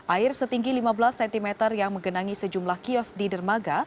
air setinggi lima belas cm yang menggenangi sejumlah kios di dermaga